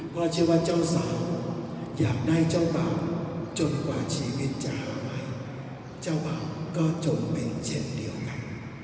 เพราะเชื่อว่าเจ้าสาวอยากได้เจ้าบ่าวจนกว่าชีวิตจะหายเจ้าบ่าวก็จงเป็นเช่นเดียวกัน